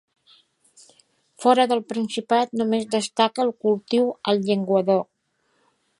Fora del Principat només destaca el cultiu al Llenguadoc.